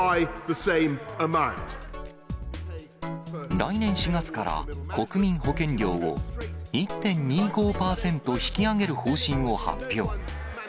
来年４月から国民保険料を１．２５％引き上げる方針を発表。